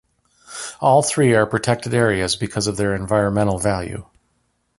All three are protected areas because of their environmental value.